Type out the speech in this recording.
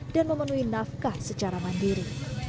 dan memenuhi nafkah secara mandiri